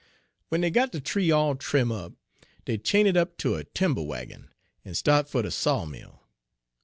"W'en dey got de tree all trim' up, dey chain it up ter a timber waggin, en start fer de sawmill.